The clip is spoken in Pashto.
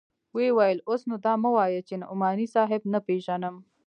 ويې ويل اوس نو دا مه وايه چې نعماني صاحب نه پېژنم.